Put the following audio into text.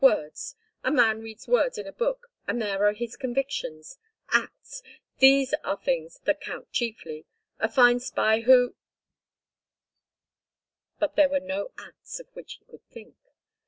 Words. A man reads words in a book, and there are his convictions. Acts, these are things that count chiefly. A fine spy who—" But there were no acts of which he could think.